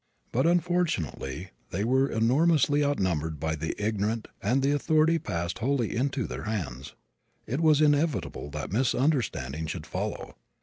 But unfortunately they were enormously outnumbered by the ignorant and the authority passed wholly into their hands. It was inevitable that misunderstanding should follow.